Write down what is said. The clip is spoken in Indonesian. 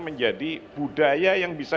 menjadi budaya yang bisa